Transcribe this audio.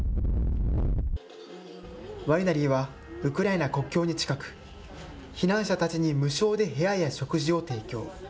ワイナリーはウクライナ国境に近く、避難者たちに無償で部屋や食事を提供。